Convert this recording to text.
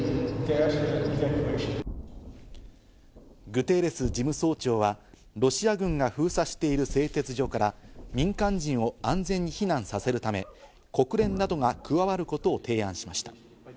グテーレス事務総長はロシア軍が封鎖している製鉄所から民間人を安全に避難させるため国連などが加わることを提案しました。